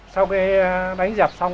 sau cái đánh dẹp xong